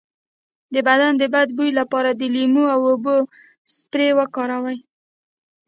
د بدن د بد بوی لپاره د لیمو او اوبو سپری وکاروئ